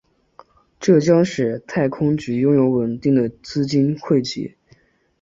这将使太空局拥有稳定的资金汇集。